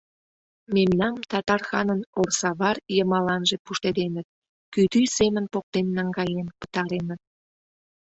Мемнам татар ханын орсавар йымаланже пуштеденыт, кӱтӱ семын поктен наҥгаен пытареныт.